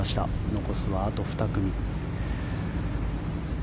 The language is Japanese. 残すはあと２組。